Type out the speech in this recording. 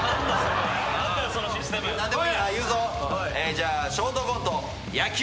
じゃあショートコント野球。